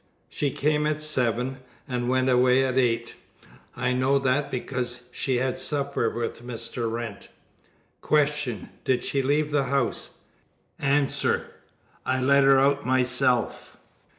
She came at seven, and went away at eight. I know that because she had supper with Mr. Wrent. Q. Did she leave the house? A. Yes. I let her out myself.